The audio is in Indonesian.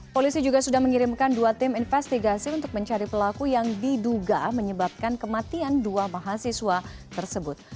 polisi juga sudah mengirimkan dua tim investigasi untuk mencari pelaku yang diduga menyebabkan kematian dua mahasiswa tersebut